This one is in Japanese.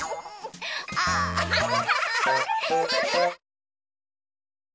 アハハハハ！